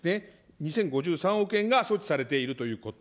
２０５３億円が措置されているということ。